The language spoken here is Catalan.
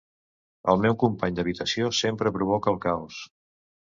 El meu company d'habitació sempre provoca el caos.